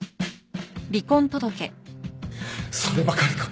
そればかりか。